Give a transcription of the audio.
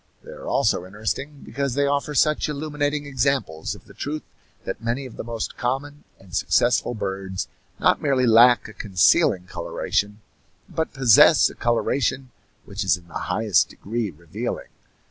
They are also interesting because they offer such illuminating examples of the truth that many of the most common and successful birds not merely lack a concealing coloration, but possess a coloration which is in the highest degree revealing.